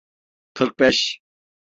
Kırk beş.